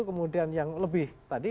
kemudian yang lebih tadi